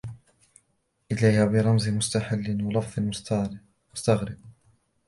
إلَيْهَا بِرَمْزٍ مُسْتَحْلٍ وَلَفْظٍ مُسْتَغْرَبٍ